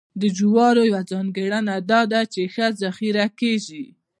د جوارو یوه ځانګړنه دا ده چې ښه ذخیره کېږي.